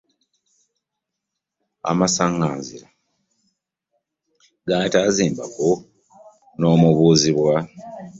Amassanganzira gattaagazimbako n'omubuziibwa .